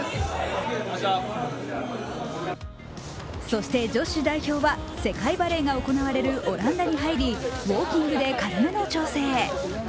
そして女子代表は世界バレーが行われるオランダに入りウオーキングで軽めの調整。